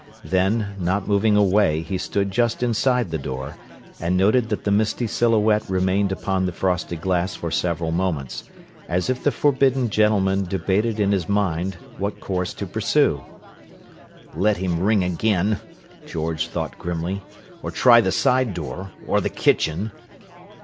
Then, not moving away, he stood just inside door, and noted that the misty silhouette remained upon the frosted glass for several moments, as if the forbidden gentleman debated in his mind what course to pursue. "Let him ring again!" George thought grimly. "Or try the side door—or the kitchen!"